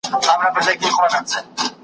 د خوني زمري منګولو څيرولم .